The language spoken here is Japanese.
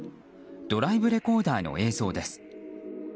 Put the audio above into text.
ドライブレコーダーの映像です。